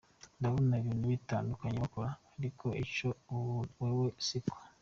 "Ndabona ibintu bitandukanye bakora, ariko ico ubuna wewe si co.